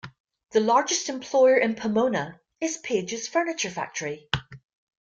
The largest employer in Pomona is Pages Furniture Factory.